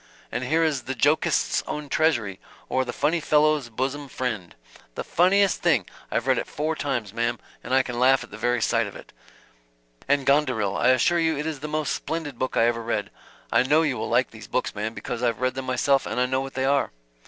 And here is 'The Jokist's Own Treasury, or, The Phunny Phellow's Bosom Phriend.' The funniest thing! I've read it four times, ma'm, and I can laugh at the very sight of it yet. And 'Gonderil,' I assure you it is the most splendid book I ever read. I know you will like these books, ma'm, because I've read them myself and I know what they are."